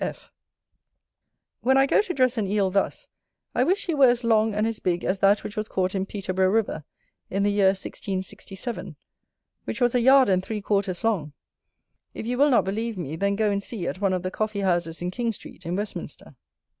S. F. When I go to dress an Eel thus, I wish he were as long and as big as that which was caught in Peterborough river, in the year 1667; which was a yard and three quarters long. If you will not believe me, then go and see at one of the coffee houses in King Street in Westminster.